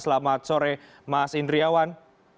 selamat sore mas indriawan